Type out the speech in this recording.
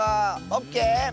オッケー！